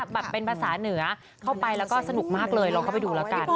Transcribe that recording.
แบบเป็นภาษาเหนือเข้าไปแล้วก็สนุกมากเลยลองเข้าไปดูแล้วกัน